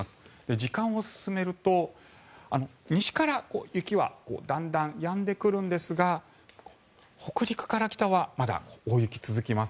時間を進めると、西から雪はだんだんやんでくるんですが北陸から北はまだ大雪が続きます。